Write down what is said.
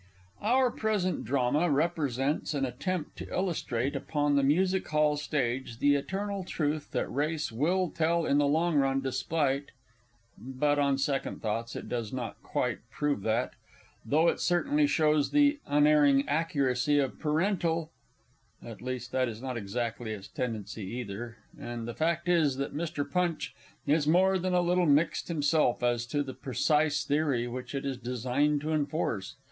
Our present Drama represents an attempt to illustrate upon the Music hall stage the eternal truth that race will tell in the long run, despite but, on second thoughts, it does not quite prove that, though it certainly shows the unerring accuracy of parental at least, that is not exactly its tendency, either; and the fact is that Mr. Punch is more than a little mixed himself as to the precise theory which it is designed to enforce.